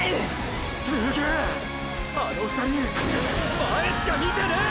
すげぇあの２人前しか見てねぇ！！